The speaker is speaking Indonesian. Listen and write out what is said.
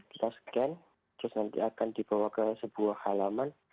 kita scan terus nanti akan dibawa ke sebuah halaman